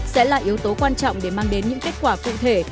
sẽ là yếu tố quan trọng để mang đến những kết quả cụ thể